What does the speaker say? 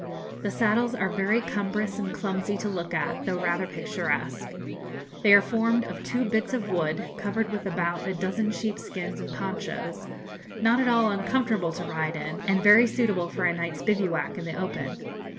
The saddles are very cumbrous and clumsy to look at, though rather picturesque. They are formed of two bits of wood, covered with about a dozen sheepskins and ponchos; not at all uncomfortable to ride in, and very suitable for a night's bivouac in the open.